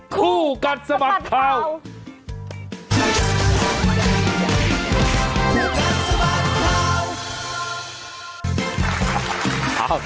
คู่กันสมัครข่าวคู่กันสมัครข่าว